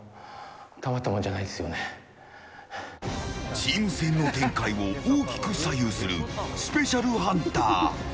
チーム戦の展開を大きく左右するスペシャルハンター。